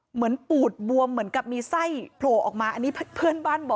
เหมือนปูดบวมเหมือนกับมีไส้โผล่ออกมาอันนี้เพื่อนบ้านบอก